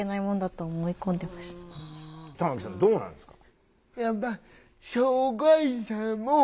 玉木さんどうなんですか？